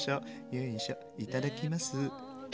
よいしょいただきます。